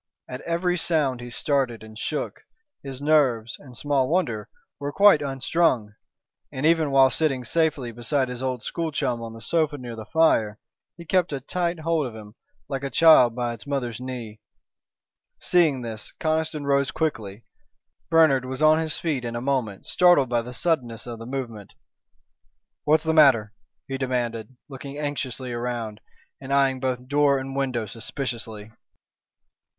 At every sound he started and shook. His nerves, and small wonder, were quite unstrung, and even while sitting safely beside his old school chum on the sofa near the fire, he kept a tight hold of him, like a child by its mother's knee. Seeing this, Conniston rose quickly. Bernard was on his feet in a moment, startled by the suddenness of the movement. "What's the matter?" he demanded, looking anxiously around, and eyeing both door and window suspiciously.